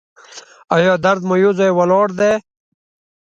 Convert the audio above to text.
ایا درد مو یو ځای ولاړ دی؟